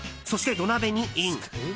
そして、土鍋にイン。